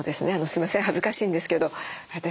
すいません恥ずかしいんですけど私